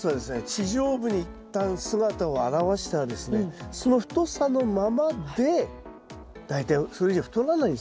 地上部に一旦姿を現したらですねその太さのままで大体それ以上太らないんですよ。